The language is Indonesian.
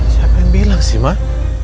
siapa yang bilang sih mah